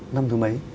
năm thứ mấy